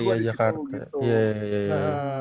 oh gemaria jakarta ya ya ya